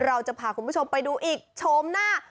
เราจะพาคุณผู้ชมไปดูอีกโฉมหน้า